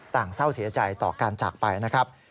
เศร้าเสียใจต่อการจากไปนะครับ